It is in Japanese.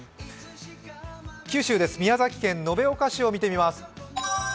九州です、宮崎県延岡市を見てみます。